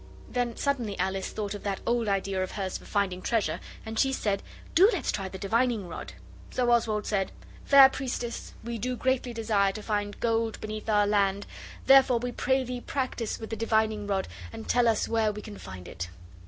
Then suddenly Alice thought of that old idea of hers for finding treasure, and she said 'Do let's try the divining rod.' So Oswald said, 'Fair priestess, we do greatly desire to find gold beneath our land, therefore we pray thee practise with the divining rod, and tell us where we can find it.